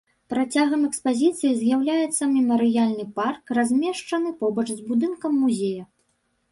Працягам экспазіцыі з'яўляецца мемарыяльны парк, размешчаны побач з будынкам музея.